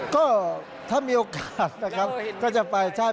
ก็ถ้ามีโอกาสก็จะไป